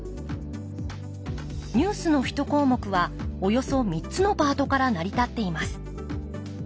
ニュースの１項目はおよそ３つのパートから成り立っています。